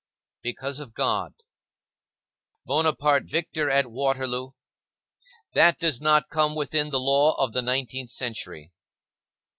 Because of God. Bonaparte victor at Waterloo; that does not come within the law of the nineteenth century.